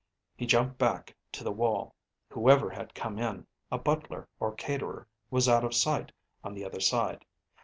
He jumped back to the wall. Whoever had come in, a butler or caterer, was out of sight on the other side.